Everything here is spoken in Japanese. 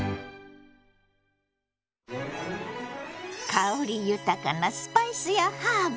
香り豊かなスパイスやハーブ。